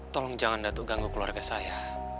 tolong jangan ganggu keluarga saya